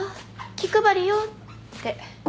「気配りよ」って。